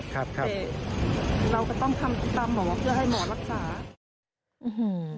แต่เราก็ต้องทำตามหมอเพื่อให้หมอรักษาอืม